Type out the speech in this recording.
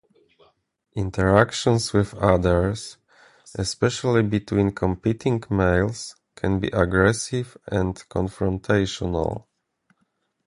Interactions with others, especially between competing males, can be aggressive and confrontational.